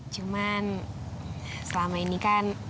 cuman selama ini kan